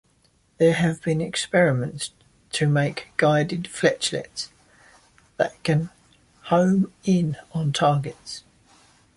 There have been experiments to make guided flechettes that can home in on targets.